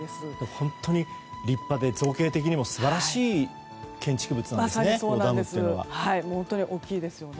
本当に立派で造形的にも素晴らしい建築物ですね。